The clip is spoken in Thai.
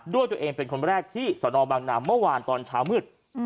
ด้วยตัวเองเป็นคนแรกที่สนบางนามเมื่อวานตอนเช้ามืด